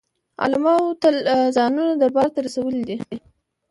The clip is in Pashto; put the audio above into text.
علماوو تل ځانونه دربار ته رسولي دي.